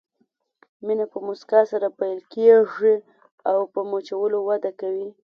مینه په مسکا سره پیل کېږي، په مچولو وده کوي.